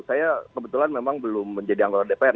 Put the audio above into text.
saya kebetulan memang belum menjadi anggota dpr